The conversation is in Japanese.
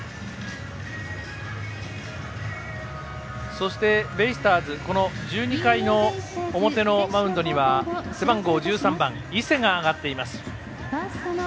そして、ベイスターズ１２回の表のマウンドには背番号１３番、伊勢が上がっています。